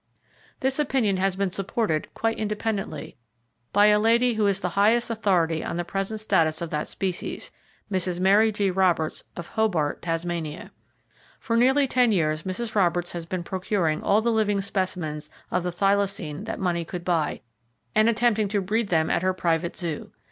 This opinion has been supported, quite independently, by a lady who is the highest authority on the present status of that species, Mrs. Mary G. Roberts, of Hobart, Tasmania. For nearly ten years Mrs. Roberts has been procuring all the living specimens of the thylacine that money could buy, and attempting to breed them at her private zoo.